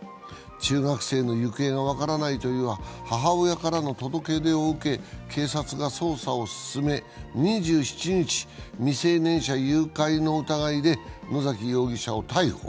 中学生の行方が分からないという母親からの届け出を受け、警察が捜査を進め、２７日、未成年者誘拐の疑いで野崎容疑者を逮捕。